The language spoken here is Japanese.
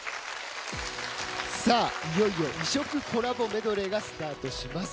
さあ、いよいよ異色コラボメドレーがスタートします。